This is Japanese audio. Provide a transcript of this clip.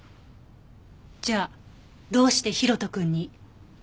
じゃあどうして大翔くんに？